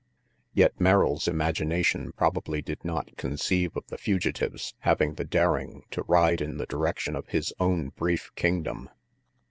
Yet Merrill's imagination probably did not conceive of the fugitives having the daring to ride in the direction of his own brief kingdom.